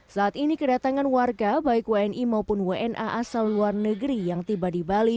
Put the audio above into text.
saat ini kedatangan warga baik wni maupun wna asal luar negeri yang tiba di bali